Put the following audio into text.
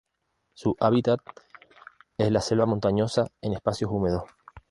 Su hábitat es la selva montañosa, en espacios húmedos.